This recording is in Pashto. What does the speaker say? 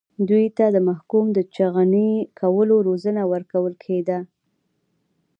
دوی ته د محکوم د چخڼي کولو روزنه ورکول کېده.